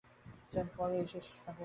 Sent Paul এই শেষ থাকের ছিলেন।